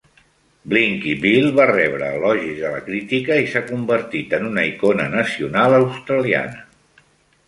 Blinky Bill va rebre elogis de la crítica i s'ha convertir en una icona nacional australiana.